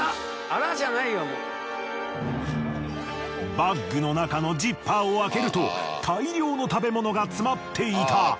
バッグの中のジッパーを開けると大量の食べ物が詰まっていた。